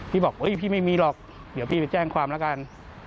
พี่บอกพี่ไม่มีหรอกเดี๋ยวพี่ไปแจ้งความแล้วกัน